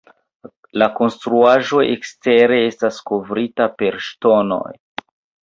La konstruaĵo ekstere estas kovrita per ŝtonoj.